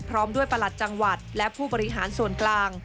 พร้อมด้วยประหลัดจังหวัดและผู้บริหารส่วนกลาง